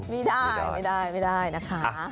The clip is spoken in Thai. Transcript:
ไม่ได้นะคะ